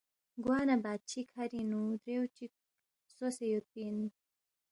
گوانہ بادشی کَھرِنگ نُو دریُو چِک خسوسے یودپی اِن